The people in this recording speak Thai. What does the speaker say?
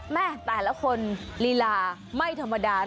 แต่ละคนลีลาไม่ธรรมดา